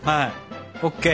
ＯＫ。